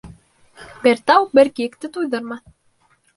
Бер тау бер кейекте туйҙырмаҫ.